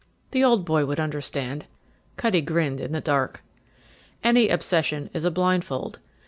The old boy would understand. Cutty grinned in the dark. Any obsession is a blindfold.